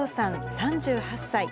３８歳。